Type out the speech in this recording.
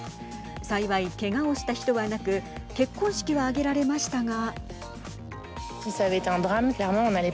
幸い、けがをした人はなく結婚式は挙げられましたが。